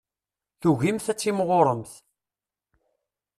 Tugimt ad timɣuremt.